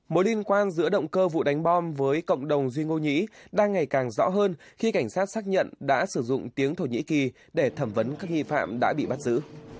mối liên quan giữa động cơ vụ đánh bom với cộng đồng duy ngô mỹ đang ngày càng rõ hơn khi cảnh sát xác nhận đã sử dụng tiếng thổ nhĩ kỳ để thẩm vấn các nghi phạm đã bị bắt giữ